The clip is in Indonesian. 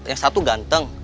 yang satu ganteng